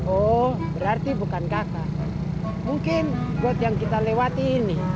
oh berarti bukan kakak mungkin buat yang kita lewati ini